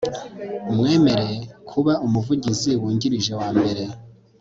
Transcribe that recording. umwemere kuba umuvugizi wungirije wa mbere